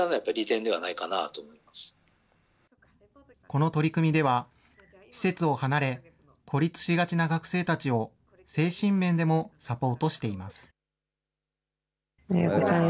この取り組みでは、施設を離れ、孤立しがちな学生たちを、精神面でもサポートしています。